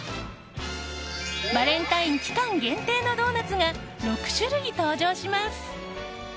バレンタイン期間限定のドーナツが６種類登場します。